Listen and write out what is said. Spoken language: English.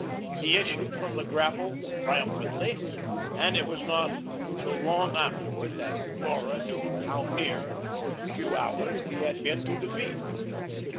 He issued from the grapple triumphantly, and it was not till long afterward that Laura knew how near, for a few hours, he had been to defeat.